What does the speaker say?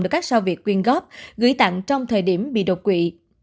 được các sao việt quyên góp gửi tặng trong thời điểm bị độc quỵ